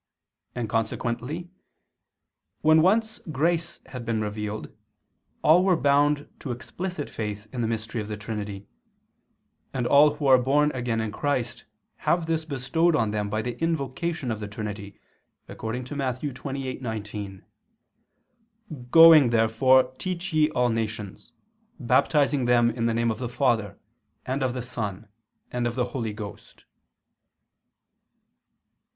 And consequently, when once grace had been revealed, all were bound to explicit faith in the mystery of the Trinity: and all who are born again in Christ, have this bestowed on them by the invocation of the Trinity, according to Matt. 28:19: "Going therefore teach ye all nations, baptizing them in the name of the Father, and of the Son and of the Holy Ghost."